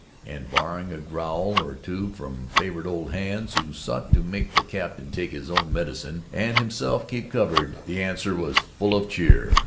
And, barring a growl or two from favored old hands who sought to make the captain take his own medicine and himself keep covered, the answer was full of cheer.